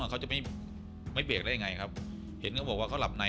มาเขาจะไม่เบรกได้ยังไงครับเพราะเขาบอกว่าเขาหลับใน